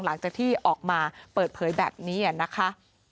หลังจากที่ออกมาเปิดเผยแบบนี้นะคะ